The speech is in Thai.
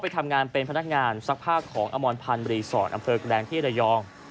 ทำงานเป็นพนักงานซักผ้าของอมรพันธ์รีสอร์ทอำเภอแกลงที่ระยอง